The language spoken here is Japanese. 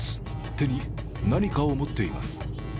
手に何かを持っています。